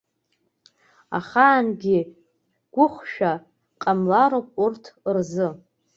Ахаангьы гәыхшәа ҟамлароуп урҭ рзы!